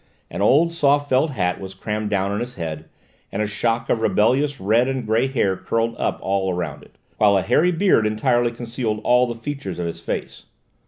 An old soft felt hat was crammed down on his head, and a shock of rebellious red and grey hair curled up all round it, while a hairy beard entirely concealed all the features of his face.